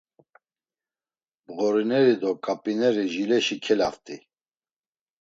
Mğorineri do ǩap̌ineri jileşi kelaft̆i.